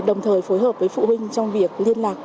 đồng thời phối hợp với phụ huynh trong việc liên lạc